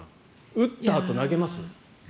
打ったあと、投げますよ。